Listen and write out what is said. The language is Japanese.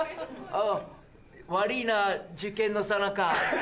悪ぃな受験のさなか。